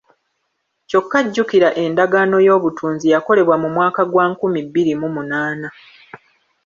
Kyokka jjukira endagaano y’obutunzi yakolebwa mu mwaka gwa nkumi bbiri mu munaana.